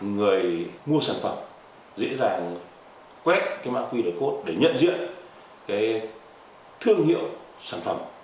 người mua sản phẩm dễ dàng quét cái mã qr code để nhận diện cái thương hiệu sản phẩm